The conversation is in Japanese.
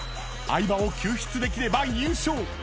［相葉を救出できれば優勝］